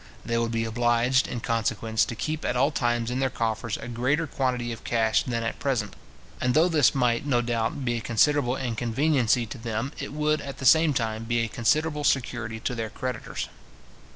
They would be obliged, in consequence, to keep at all times in their coffers a greater quantity of cash than at present; and though this might, no doubt, be a considerable inconveniency to them, it would, at the same time, be a considerable security to their creditors.